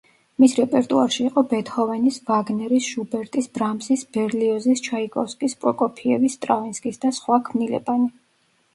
მის რეპერტუარში იყო ბეთჰოვენის, ვაგნერის, შუბერტის, ბრამსის, ბერლიოზის, ჩაიკოვსკის, პროკოფიევის, სტრავინსკის და სხვა ქმნილებანი.